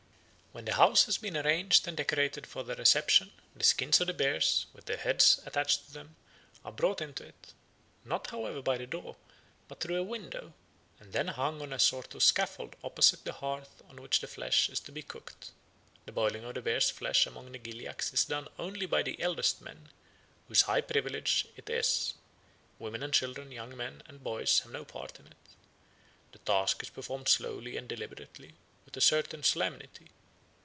When the house has been arranged and decorated for their reception, the skins of the bears, with their heads attached to them, are brought into it, not, however, by the door, but through a window, and then hung on a sort of scaffold opposite the hearth on which the flesh is to be cooked. The boiling of the bears' flesh among the Gilyaks is done only by the oldest men, whose high privilege it is; women and children, young men and boys have no part in it. The task is performed slowly and deliberately, with a certain solemnity.